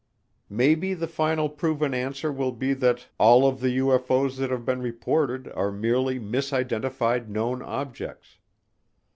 Maybe the final proven answer will be that all of the UFO's that have been reported are merely misidentified known objects.